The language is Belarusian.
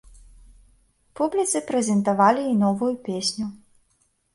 Публіцы прэзентавалі і новую песню.